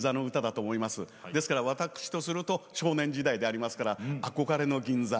ですから私とすると少年時代でありますから憧れの銀座